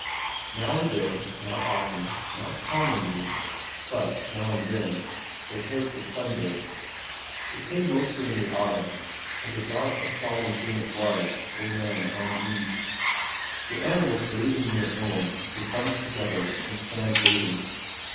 Now and then, not often; not commonly, but now and then, they heard the thunder. It came mostly in the autumn, and a dark and solemn thing it was for man and beast; the animals grazing near home would bunch together and stand waiting.